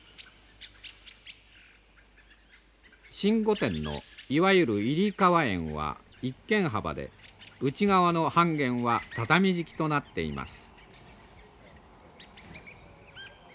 新御殿のいわゆる入側縁は一間幅で内側の半間は畳敷きとなっています。